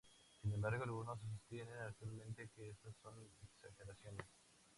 Sin embargo, algunos sostienen actualmente que estas son una exageraciones.